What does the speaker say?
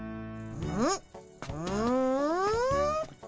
うん。